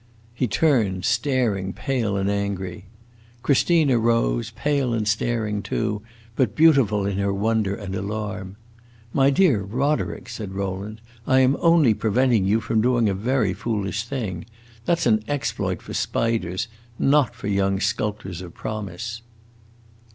He turned, staring, pale and angry. Christina rose, pale and staring, too, but beautiful in her wonder and alarm. "My dear Roderick," said Rowland, "I am only preventing you from doing a very foolish thing. That 's an exploit for spiders, not for young sculptors of promise."